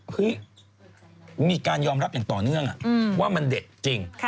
มีการยอมรับอย่างต่อเนื่องว่ามันเด็ดจริง